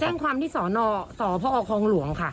แจ้งความที่สนสพคลองหลวงค่ะ